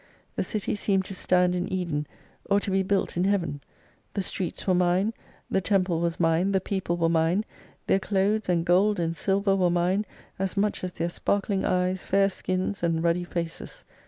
The city seemed to stand in Edea, or to be built in Heaven, The streets were mine, :he temple was mine, the people were mine, their clothes and gold and silver were mine, as much as their sparkling eyes, fair skins and ruddy faces.